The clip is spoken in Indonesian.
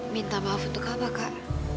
minta maaf untuk apa kak